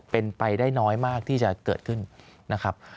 เป็นไปได้น้อยมากที่จะเกิดขึ้นนะครับ